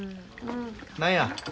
何や。